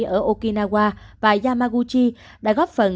ở okinawa và yamaguchi đã góp phần